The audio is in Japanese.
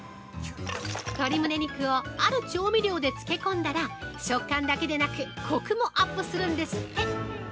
鶏むね肉をある調味料で漬け込んだら食感だけでなくコクもアップするんですって！